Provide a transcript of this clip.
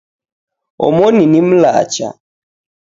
Omoni ni mlacha.